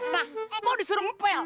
nah mpok disuruh ngepel